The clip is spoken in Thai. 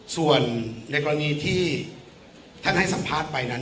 ส่วนในกรณีที่ท่านให้สัมภาษณ์ไปนั้น